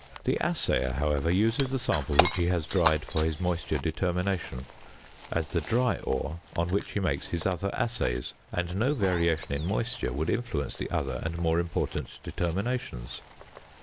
The assayer, however, uses the sample which he has dried for his moisture determination, as the dry ore on which he makes his other assays, and no variation in moisture would influence the other and more important determinations.